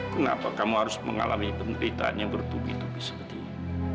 kenapa kamu harus mengalami penderitaan yang bertubi tubi sepertinya